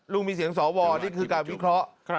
ลุงมีเสียงสวนี่คือการวิเคราะห์